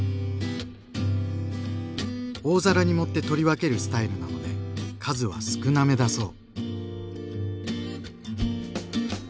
大皿に盛って取り分けるスタイルなので数は少なめだそう。